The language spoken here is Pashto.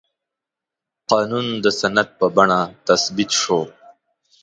قانون د سند په بڼه تثبیت شو.